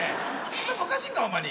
頭おかしいんかほんまに。